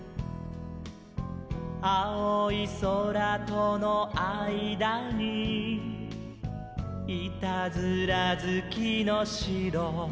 「あおいそらとのあいだにいたずらずきのしろ」